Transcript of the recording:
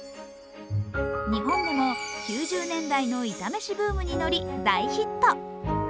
日本でも９０年代のイタ飯ブームに乗り大ヒット。